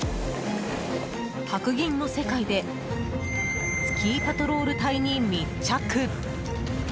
白銀の世界でスキーパトロール隊に密着。